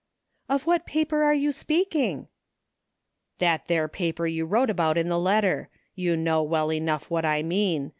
" Of what paper are you speaking? "" That there paper you wrote about in the letter. You know well enough what I mean.